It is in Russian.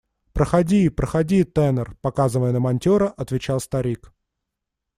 – Проходи, проходи, тенор, – показывая на монтера, отвечал старик.